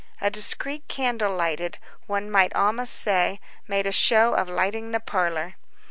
A discreet candle lighted, one might almost say, made a show of lighting the parlor.